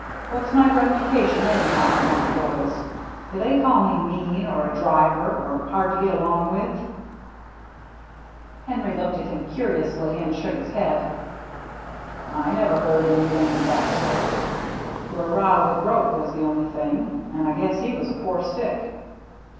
What's my reputation, anyhow, among the boys ? Do they call me mean, or a driver, or hard to get along with ?" Henry looked at him curiously, and shook his head. " I never heard anything of that sort. Your row with Roche was the only thing, and I guess he was a poor stick."